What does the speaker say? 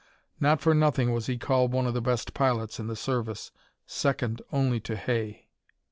Not for nothing was he called one of the best pilots in the service, second only to Hay.